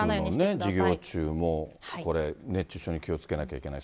体育の授業中もこれ、熱中症に気をつけなきゃいけない。